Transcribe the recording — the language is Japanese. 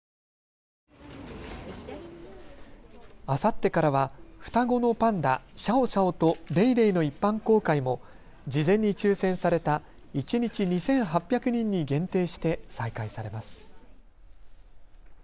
あさってからは双子のパンダ、シャオシャオとレイレイの一般公開も事前に抽せんされた一日２８００人に限定して再開されます。